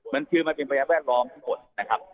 มันคือมันเป็นพยานแวดล้อมทั้งหมดนะครับ